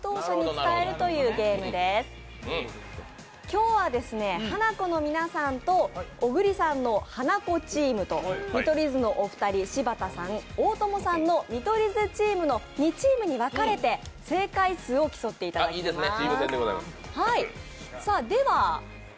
今日はハナコの皆さんと小栗さんのハナコチームと見取り図のお二人、柴田さん大友さんの見取り図チームの２チームに分かれて正解数を競っていただきます。